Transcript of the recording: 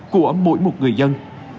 của mỗi một người dân